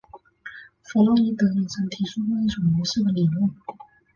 弗洛伊德也曾提出过一种游戏的理论。